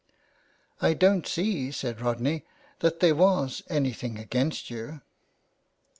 " I don't see," said Rodney, '' that there was anything against you."